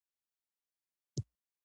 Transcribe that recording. کارموندنه لوی عبادت دی.